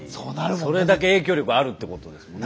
それだけ影響力あるってことですもんね。